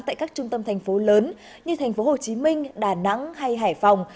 tại các trung tâm thành phố lớn như thành phố hồ chí minh đà nẵng hay hải phòng